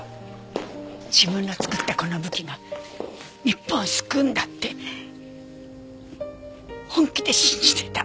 自分の作ったこの武器が日本を救うんだって本気で信じてた。